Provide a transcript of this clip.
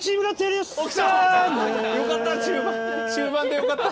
よかった！